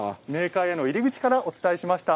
冥界への入り口からお伝えしました。